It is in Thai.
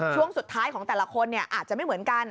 ช่วงสุดท้ายของแต่ละคนอาจจะไม่เหมือนกัน